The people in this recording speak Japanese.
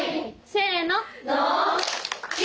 せの。